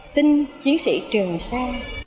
tin chiến sĩ trường sa